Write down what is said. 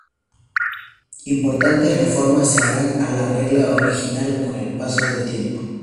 Importantes reformas se harán a la regla original con el paso del tiempo.